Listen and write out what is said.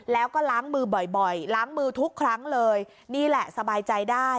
แล้วก็ล้างมือบ่อยล้างมือทุกครั้งเลยนี่แหละสบายใจได้